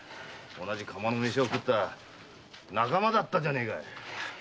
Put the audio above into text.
同じ釜のメシを食った仲間だったじゃねえか！